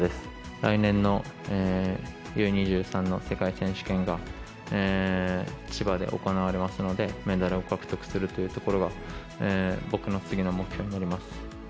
来年のＵー２３の世界選手権が、千葉で行われますので、メダルを獲得するというところが、僕の次の目標になります。